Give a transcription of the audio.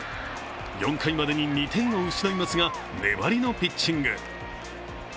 ４回までに２点を失いますが粘りのピッチング。